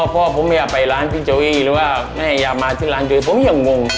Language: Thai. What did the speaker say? พ่อผมอยากไปร้านพี่เจ้าอี้หรือว่าแม่อยากมาที่ร้านพี่เจ้าอี้ผมอย่างงง